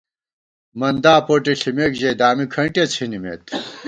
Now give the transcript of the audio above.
مَندا پوٹے ݪِمېک ژَئی، دامی کھنٹیہ څِھنِمېت